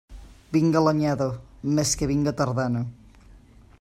Vinga l'anyada, mes que vinga tardana.